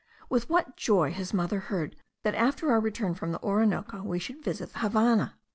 With what joy his mother heard that after our return from the Orinoco, we should visit the Havannah!